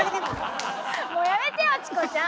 もうやめてよチコちゃん！